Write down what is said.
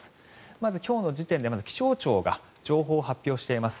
まず今日の時点で気象庁が情報を発表しています。